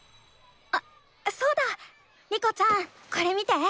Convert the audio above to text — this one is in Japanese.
あそうだ。リコちゃんこれ見て。